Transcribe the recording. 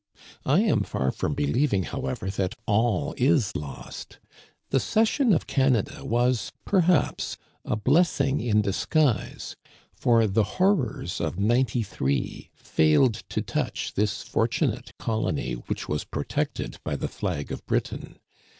I am far from believing, however, that all is lost. The cession of Canada was, perhaps, a blessing in disguise ; for the horrors of '93 failed to touch this fortu nate colony which was protected by the flag of Britain.